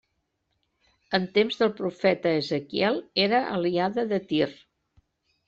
En temps del profeta Ezequiel era aliada de Tir.